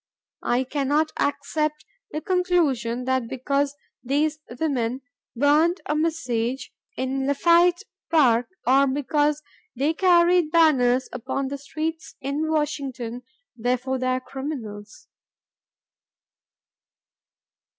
I cannot accept the conclusion that because these women burned a message in Lafayette Park or because they carried banners upon the streets in Washington therefore they are criminals."